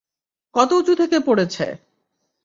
কত উঁচু থেকে পড়েছে?